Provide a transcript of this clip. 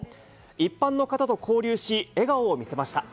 一般の方と交流し、笑顔を見せました。